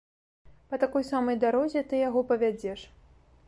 Па такой самай дарозе ты яго павядзеш.